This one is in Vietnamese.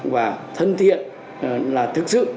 và thân thiện là thực sự